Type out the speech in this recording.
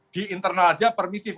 di internal saja permisif